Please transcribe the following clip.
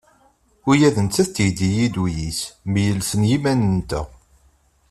Ula d nettat teldi-yi-d ul-is, myelsen yimanen-nteɣ.